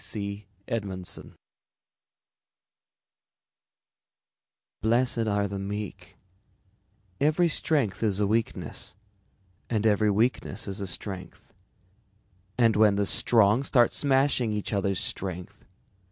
BLESSED ARE THE MEEK _Every strength is a weakness, and every weakness is a strength. And when the Strong start smashing each other's strength